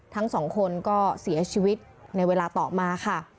ทั้งสองคนก็เสียชีวิตในเวลาต่อมาค่ะ